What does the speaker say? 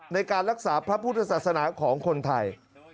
ในการรักษาพระพุทธศาสนาของคนไทย